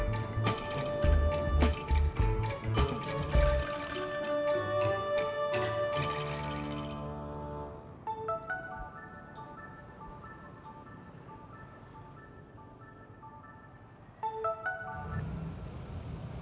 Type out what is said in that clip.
bicara sama adik adik